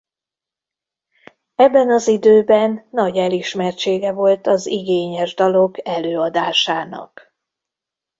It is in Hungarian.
Ebben az időben nagy elismertsége volt az igényes dalok előadásának.